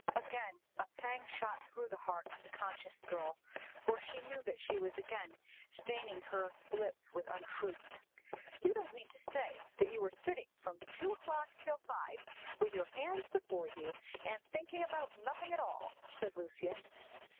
Again a pang shot through the heart of the conscious girl for she knew that she was again staining her lips with untruth. "You don't mean to say that you were sitting from two o'clock till five, with your hands before you, and thinking about nothing at all," said Lucius.